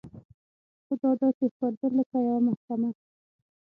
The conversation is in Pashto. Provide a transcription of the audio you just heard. خو دا داسې ښکارېدل لکه یوه محکمه.